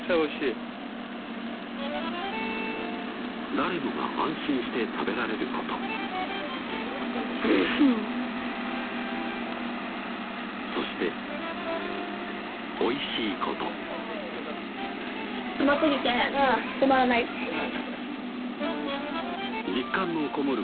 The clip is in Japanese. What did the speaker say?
誰もが安心して食べられることそしておいしいことうますぎて止まらない実感のこもる